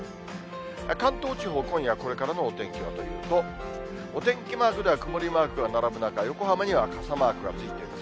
関東地方、今夜これからのお天気はどうかというと、お天気マークでは曇りマークが並ぶ中、横浜には傘マークがついています。